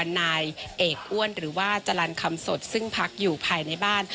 นายเอกอ้วนหรือว่าจรรย์คำสดซึ่งพักอยู่ภายในบ้าน